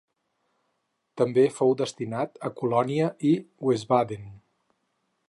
També fou destinat a Colònia i Wiesbaden.